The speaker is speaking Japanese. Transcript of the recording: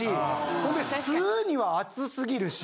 ほんで吸うには熱すぎるし。